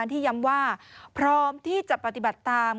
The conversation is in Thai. ที่ย้ำว่าพร้อมที่จะปฏิบัติตาม